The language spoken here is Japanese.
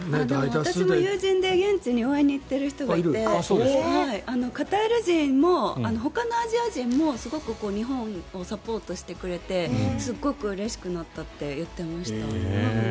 私の友人に現地に応援に行っている人がいてカタール人もほかのアジア人も日本をサポートしてくれてすごくうれしくなったって言ってました。